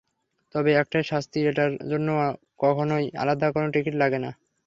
তবে একটাই শান্তি, এটার জন্য কখনোই আলাদা কোনো টিকিট লাগে না।